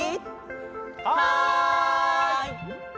はい！